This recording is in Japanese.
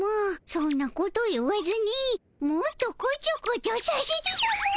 そんなこと言わずにもっとこちょこちょさせてたも。